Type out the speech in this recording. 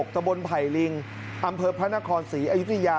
ตะบนไผ่ลิงอำเภอพระนครศรีอยุธยา